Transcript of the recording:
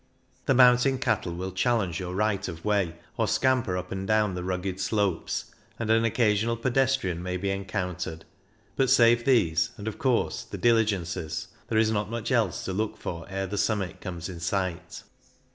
The mountain cattle will challenge your right of way, or scamper up and down the rugged slopes, and an occasional pedestrian may be encountered ; but save these and, of course, the diligences, there is not much else to look for ere the summit comes in sight.